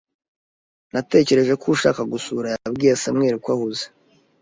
Natekereje ko ushaka gusura yabwiye Samuel ko ahuze